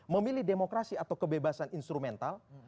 memilih demokrasi atau kebebasan instrumental